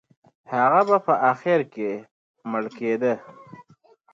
هغه به په اخر کې مړ کېده.